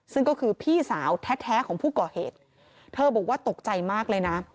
ซึ่งก็คือพี่สาวแท้ของผู้ก่อเหตุเธอบอกว่าตกใจมากเลยนะ